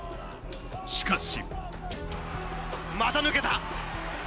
しかし。